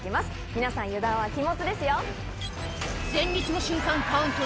皆さん油断は禁物ですよ。